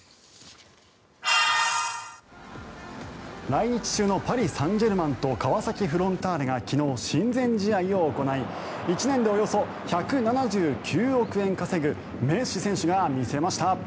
来日中のパリ・サンジェルマンと川崎フロンターレが昨日親善試合を行い１年でおよそ１７９億円稼ぐメッシ選手が見せました。